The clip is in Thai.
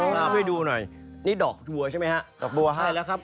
พี่ดูหน่อยนี่ดอกบัวใช่มั้ยฮะดอกบัวใช่แล้วครับ